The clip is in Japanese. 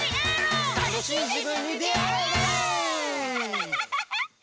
ハハハハハ！